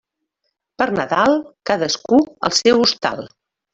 Per Nadal, cadascú al seu hostal.